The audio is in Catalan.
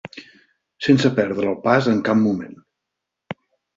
Sense perdre el pas en cap moment.